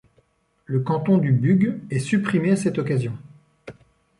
Le canton du Bugue est supprimé à cette occasion.